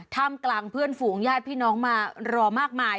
ท่ามกลางเพื่อนฝูงญาติพี่น้องมารอมากมาย